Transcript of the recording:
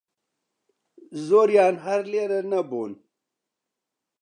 زۆریان هەر لێرە نەبوون